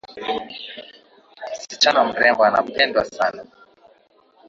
Mshichana mrembo anapendwa sana